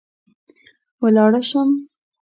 ولاړه شم